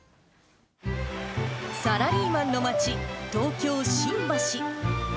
サラリーマンの街、東京・新橋。